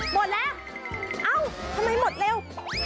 หมดแล้วเอ้าทำไมหมดเร็ว